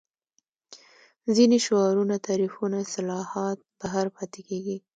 ځینې شعارونه تعریفونه اصطلاحات بهر پاتې کېږي